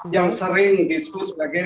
yang sering disusul sebagai